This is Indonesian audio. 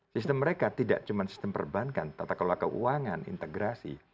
sistem mereka tidak cuma sistem perbankan tata kelola keuangan integrasi